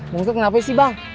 bang ustadz kenapa sih bang